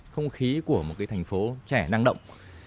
không khí của một cái thành phố trẻ năng động